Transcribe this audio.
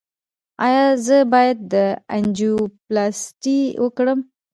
ایا زه باید انجیوپلاسټي وکړم؟